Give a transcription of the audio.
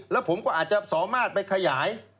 แล้วผมก็อาจจะสามารถไปขยาย